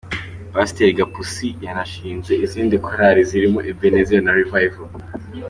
Pasiteri Gapusi yanashinze izindi korali zirimo Ebenezer na Revival.